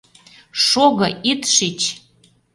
Шого, ит шич!